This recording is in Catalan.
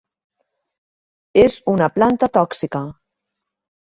És una planta tòxica.